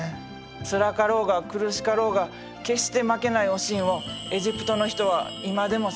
つらかろうが苦しかろうが決して負けないおしんをエジプトの人は今でも尊敬してるんやって。